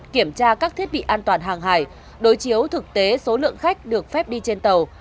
kiểm tra các thiết bị an toàn hàng hải đối chiếu thực tế số lượng khách được phép đi trên tàu